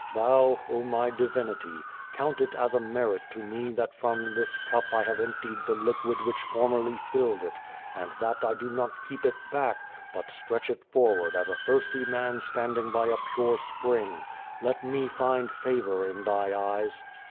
Thou, oh my divinity, count it as a merit to me that from this cup 1 have emptied the liquid which foniierly filled it, and that I do not keep it back, but stretch it forward as a thirs^ty man standing by a pure spring. liet me find favor in thy eyes.